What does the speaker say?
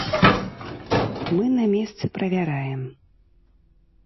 Мы на месцы правяраем.